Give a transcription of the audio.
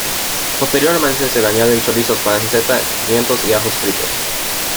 Posteriormente se le añaden chorizos, panceta, pimientos y ajos fritos.